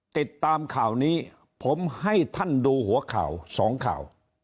ติดตามข่าวนี้ผมให้ท่านดูหัวข่าวสองข่าว